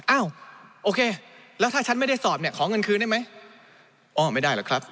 อ้าวโอเคแล้วถ้าฉันไม่ได้สอบเนี้ยของเงินคืนได้ไหม